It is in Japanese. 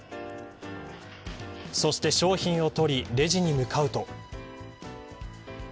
そして商品を取りレジに向かうと。